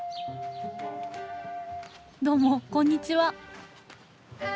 どうもこんにちは。